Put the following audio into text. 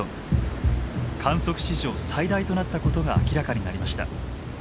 観測史上最大となったことが明らかになりました。